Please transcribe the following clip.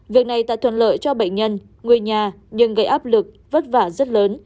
việc này tạo thuận lợi cho bệnh nhân người nhà nhưng gây áp lực vất vả rất lớn